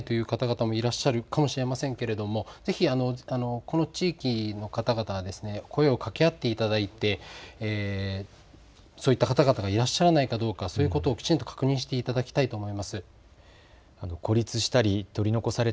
家から出られないという方々もいらっしゃるかもしれませんけれども、ぜひ、この地域の方々声をかけ合っていただいてそういった方々がいらっしゃらないかどうか、そういうことをきちんと確認していただきたいと思います。